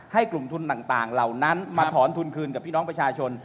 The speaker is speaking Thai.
ให้กลุ่มทุนต่างเหล่านั้นมาถอนทุนคืนกับพี่น้องประชาชน